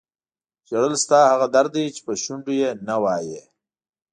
ژړل ستا هغه درد دی چې په شونډو یې نه وایې.